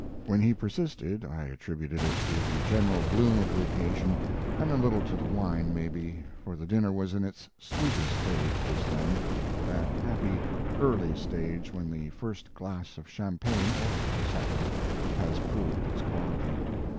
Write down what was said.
When he persisted I attributed it to the general bloom of the occasion, and a little to the wine, maybe, for the dinner was in its sweetest stage just then that happy, early stage when the first glass of champagne, or the second, has proved its quality.